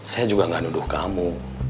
saya juga gak nuduh kamu